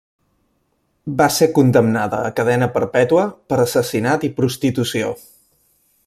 Va ser condemnada a cadena perpètua per assassinat i prostitució.